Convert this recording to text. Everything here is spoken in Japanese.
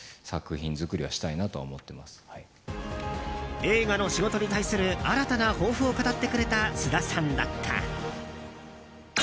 映画の仕事に対する新たな抱負を語ってくれた菅田さんだった。